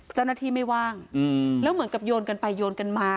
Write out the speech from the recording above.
เจ้าหน้าที่ไม่ว่างแล้วเหมือนกับโยนกันไปโยนกันมา